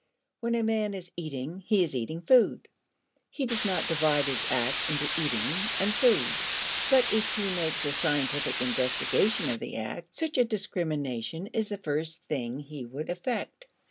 When a man is eating, he is eating food. He does not divide his act into eating and food. But if he makes a scientific investigation of the act, such a discrimination is the first thing he would effect.